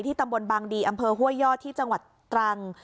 ตำบลบางดีอำเภอห้วยยอดที่จังหวัดตรัง